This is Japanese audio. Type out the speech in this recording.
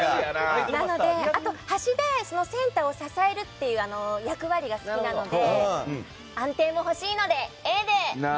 なので、端でセンターを支えるという役割が好きなので安定も欲しいのでＡで！